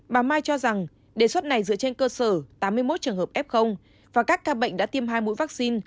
bà mai cho rằng đề xuất này dựa trên cơ sở tám mươi một trường hợp f và các ca bệnh đã tiêm hai mũi vaccine